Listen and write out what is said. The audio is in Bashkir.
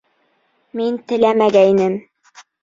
Мин теләмәгәйнем...